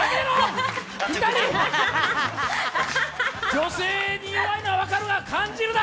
女性に弱いのは分かるが感じるな！